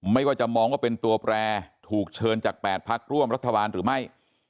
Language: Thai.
ไม่ว่าจะมองว่าเป็นตัวแปรถูกเชิญจาก๘พักร่วมรัฐบาลหรือไม่